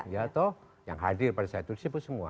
ya toh yang hadir pada saat itu disebut semua